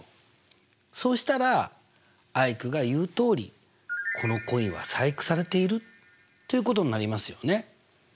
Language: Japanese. そうしたらアイクが言うとおり「このコインは細工されている」ということになりますよね。